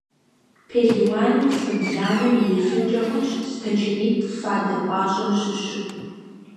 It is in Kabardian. Пелуану лӀы бланэм ирифынкӀэ хъунщ стачанитӀ фадэ пӀащӀэм щыщу.